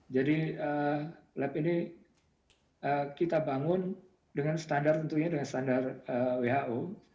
jadi lab ini kita bangun dengan standar tentunya dengan standar who